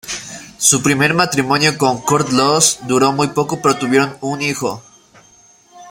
Su primer matrimonio con Kurt Loose duró muy poco pero tuvieron un hijo.